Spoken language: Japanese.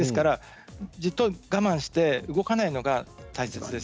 じっと我慢して動かないのが大切です。